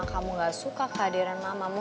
kamu gak suka kehadiran namamu